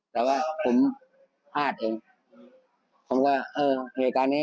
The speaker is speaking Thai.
แต่ว่าผมพลาดเองผมก็เออเหตุการณ์นี้